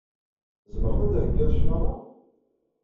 Tzemreḍ ad d-theggiḍ claḍa?